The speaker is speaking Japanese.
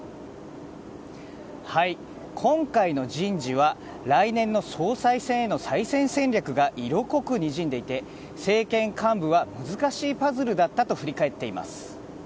今回の人事は来年の総裁選への再選戦略が色濃くにじんでいて政権幹部は難しいパズルだったと振り返っています。